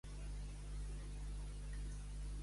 Comí vol que es prohibeixi el tall de la Meridiana.